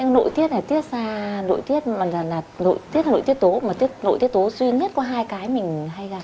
nội tiết là nội tiết tố nội tiết tố duy nhất có hai cái mình hay gặp